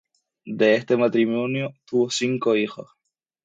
De este matrimonio tuvo cinco hijos.